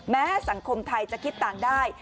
สังคมไทยจะคิดต่างได้